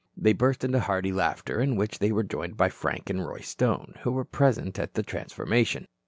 They burst into hearty laughter, in which they were joined by Frank and Roy Stone, who were present at the transformation.